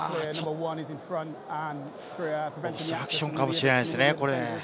オブストラクションかもしれないですね。